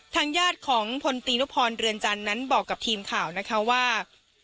ทางญาติของพลตีนุพรเรือนจันทร์นั้นบอกกับทีมข่าวนะคะว่า